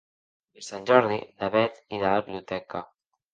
Per Sant Jordi na Beth irà a la biblioteca.